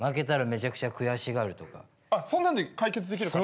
あっそんなんで解決できるかな？